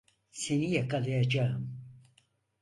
Seni yakalayacağım!